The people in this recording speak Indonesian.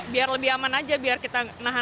biar lebih aman aja biar kita nah